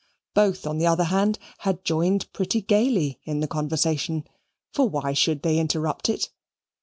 Both, on the other hand, had joined pretty gaily in the conversation, for why should they interrupt it?